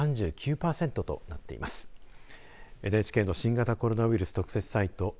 ＮＨＫの新型コロナウイルス特設サイト